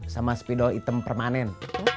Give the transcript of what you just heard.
sama sepidol hitam permanen